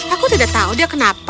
aku tidak tahu dia kenapa